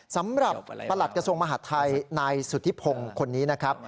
สำหรับประหลักกระทรวงมหาดไทยนายสุธิพงคนนี้นะครับ